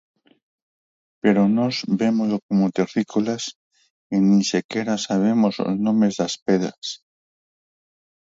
Pero nós vémolo como terrícolas e nin sequera sabemos os nomes das pedras.